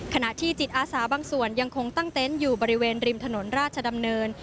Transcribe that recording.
ขณะที่จิตอาสาบางส่วนยังคงตั้งเต็นต์อยู่บริเวณริมถนนราชดำเนิน